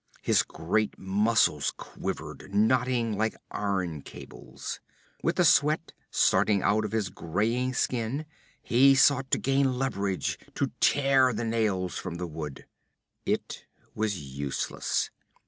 His great muscles quivered, knotting like iron cables. With the sweat starting out on his graying skin, he sought to gain leverage, to tear the nails from the wood. It was useless.